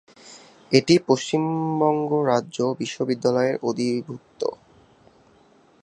এটি পশ্চিমবঙ্গ রাজ্য বিশ্ববিদ্যালয়ের অধিভুক্ত।